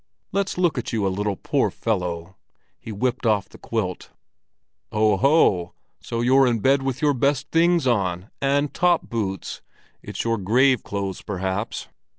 "Let's look at you a little, poor fellow." He whipped off the quilt. "Oho, so you're in bed with your best things on—and top boots! It's your grave clothes, perhaps?